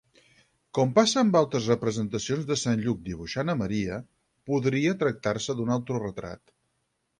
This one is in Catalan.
Com passa amb altres representacions de sant Lluc dibuixant a Maria, podria tractar-se d'un autoretrat.